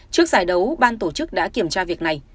trước giải đấu ban tổ chức đã kiểm tra việc này